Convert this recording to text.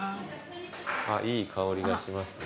あっいい香りがしますね。